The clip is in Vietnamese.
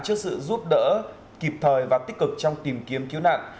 trước sự giúp đỡ kịp thời và tích cực trong tìm kiếm cứu nạn